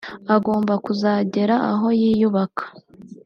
Agomba kuzagera aho yiyubaka